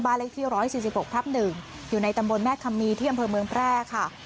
บ้านเลขที่ร้อยสี่สิบหกทับหนึ่งอยู่ในตำบลแม่คัมมีที่อำเภอเมืองแปร่ค่ะ